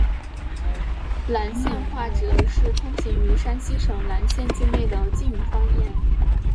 岚县话指的是通行于山西省岚县境内的晋语方言。